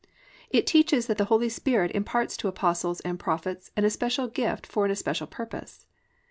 It teaches that the Holy Spirit imparts to apostles and prophets an especial gift for an especial purpose.